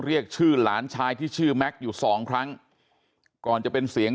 เรียกชื่อหลานชายที่ชื่อแม็กซ์อยู่สองครั้งก่อนจะเป็นเสียง